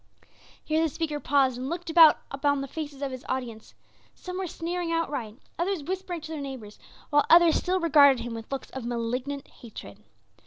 '" Here the speaker paused and looked about upon the faces of his audience; some were sneering outright, others whispering to their neighbors, while others still regarded him with looks of malignant hatred.